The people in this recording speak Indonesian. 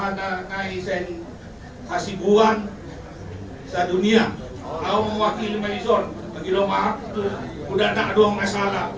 budaya yang berada di kamar atas rumah sakina mawa da dan warohmat